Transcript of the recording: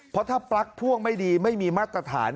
เพราะถ้าปลั๊กพ่วงไม่ดีไม่มีมาตรฐาน